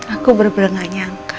aku bener bener gak nyangka